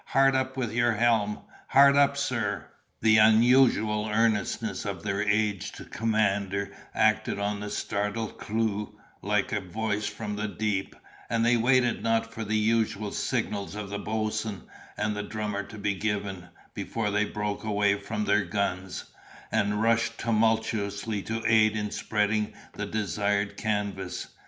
Hard up with your helm! Hard up, sir!" The unusual earnestness of their aged commander acted on the startled crew like a voice from the deep, and they waited not for the usual signals of the boatswain and drummer to be given, before they broke away from their guns, and rushed tumultuously to aid in spreading the desired canvas.